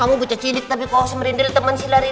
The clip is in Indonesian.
aku misalnya merindel temen si lari